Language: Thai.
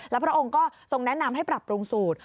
แล้วพระองค์ก็ทรงแนะนำให้ปรับปรุงสูตร